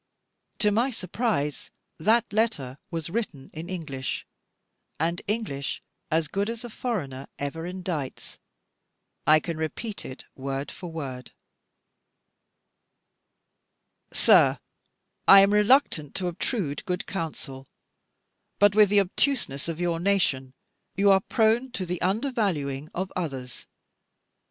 To my surprise that letter was written in English, and English as good as a foreigner ever indites: I can repeat it word for word: "SIR, I am reluctant to obtrude good counsel, but with the obtuseness of your nation you are prone to the undervaluing of others.